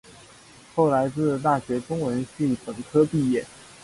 后来自大学中文系本科毕业。